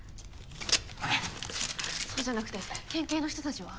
そうじゃなくて県警の人たちは？